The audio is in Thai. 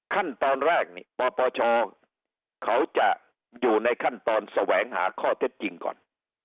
ขั้นตอนแรกนี่ปปชเขาจะอยู่ในขั้นตอนแสวงหาข้อเท็จจริงก่อน